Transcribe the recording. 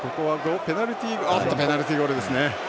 ペナルティーゴールですね。